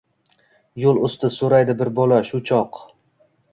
Yo‘l usti, so‘raydi bir bola shu choq.